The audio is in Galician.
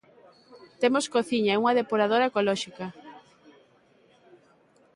Temos cociña e unha depuradora ecolóxica.